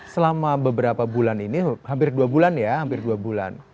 selama beberapa bulan ini hampir dua bulan ya hampir dua bulan